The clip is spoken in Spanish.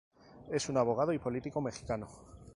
Es un abogado y político mexicano.